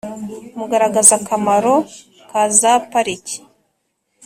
mugaragaza akamaro ka za pariki